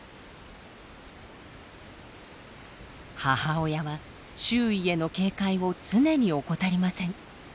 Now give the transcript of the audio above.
母親は周囲への警戒を常に怠りません。